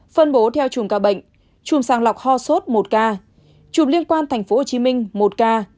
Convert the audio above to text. phân bố theo chùm ca bệnh chùm sàng lọc ho sốt một ca chụp liên quan tp hcm một ca